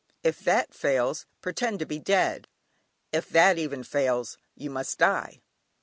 If that fails, pretend to be dead; if that even fails, you must die.